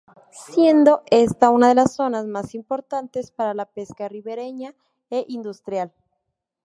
Siendo esta una de las zonas más importantes para la pesca ribereña e industrial.